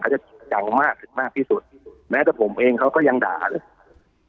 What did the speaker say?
จะดังมากถึงมากที่สุดแม้แต่ผมเองเขาก็ยังด่าเลย